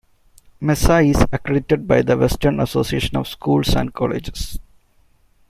Mesa is accredited by the Western Association of Schools and Colleges.